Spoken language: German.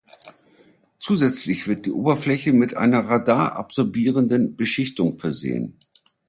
Zusätzlich wird die Oberfläche mit einer radar-absorbierenden Beschichtung versehen.